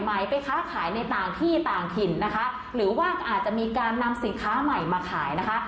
ไปค้าขายในต่างที่ต่างถิ่นนะคะหรือว่าอาจจะมีการนำสินค้าใหม่มาขายนะคะ